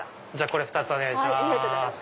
これ２つお願いします。